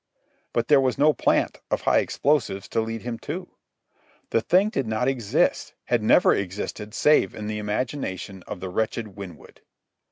But there was no plant of high explosives to lead him to. The thing did not exist, had never existed save in the imagination of the wretched Winwood.